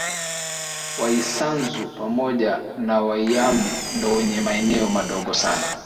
Waisanzu pamoja na Waiambi ndo wenye maeneo madogo sana